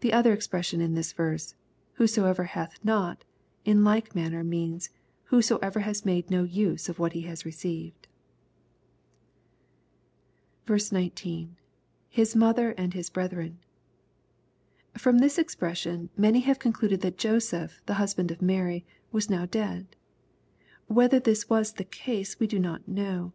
The other expression in the verse "whosoever hath not," in like manner means, " whosoever has made no use of what he has received." 19. — [Bis mother and his brethren.] From this expression, many have concluded that Joseph, the husband of Mary, was now dead. Whether this was the case we do not know.